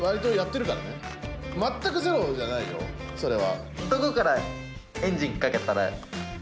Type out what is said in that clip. それは。